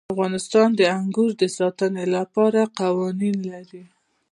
افغانستان د انګور د ساتنې لپاره قوانین لري.